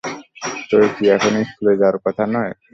তোর কি এখন স্কুলে যাওয়ার কথা নয়?